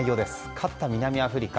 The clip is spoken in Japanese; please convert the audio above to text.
勝った南アフリカ。